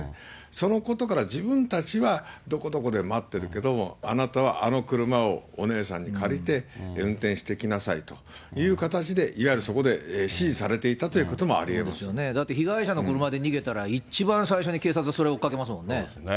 そのことから自分たちはどこどこで待ってるけども、あなたはあの車をお姉さんに借りて、運転してきなさいという形でいわゆるそこで指示されていたというだって被害者の車で逃げたら、一番最初に警察はそれを追っかけますもんね。